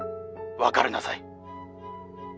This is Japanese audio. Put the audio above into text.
別れなさい。